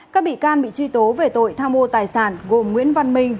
các bị can bị truy tố về tội tham mô tài sản gồm nguyễn văn minh